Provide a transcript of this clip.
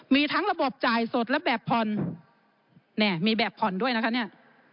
มีทั้งระบบจ่ายสดและแบบผ่อนเนี่ยมีแบบผ่อนด้วยนะคะเนี่ย